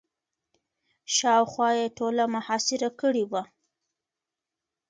شاوخوا یې ټوله محاصره کړې وه.